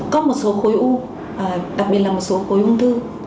có một số khối ung thư đặc biệt là một số khối ung thư